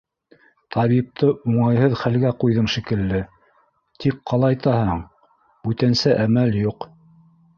Табипты уңайһыҙ хәлгә ҡуйҙым шикелле, тик ҡалайтаһың, бүтәнсә әмәл юҡ.